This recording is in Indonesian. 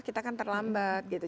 kita kan terlambat gitu